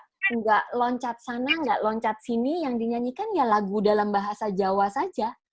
tidak loncat sana tidak loncat sini yang dinyanyikan ya lagu dalam bahasa jawa saja